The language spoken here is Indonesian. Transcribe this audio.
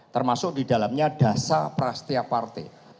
termasuk di dalamnya dasar prasetya partai